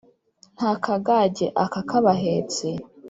nta kagage aka k' abahetsi